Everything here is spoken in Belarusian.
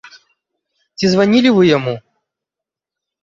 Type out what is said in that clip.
Ці званілі вы яму?